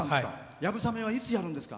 やぶさめはいつやるんですか？